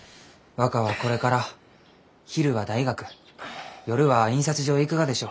若はこれから昼は大学夜は印刷所へ行くがでしょ？